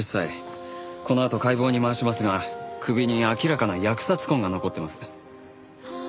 このあと解剖に回しますが首に明らかな扼殺痕が残ってます。